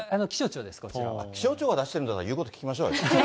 気象庁が出してるんだから言うこと聞きましょうよ。